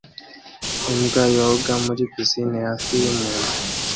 Imbwa yoga muri pisine hafi yumuntu